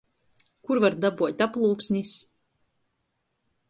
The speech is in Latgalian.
Kur var dabuot aplūksnis?